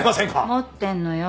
持ってんのよ